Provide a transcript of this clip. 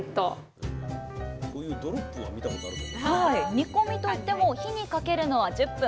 煮込みといっても火にかけるのは１０分！